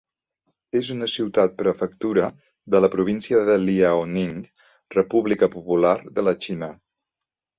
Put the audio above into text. És una ciutat-prefectura de la província de Liaoning, República Popular de la Xina.